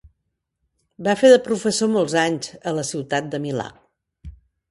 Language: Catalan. Va fer de professor molts anys a la ciutat de Milà.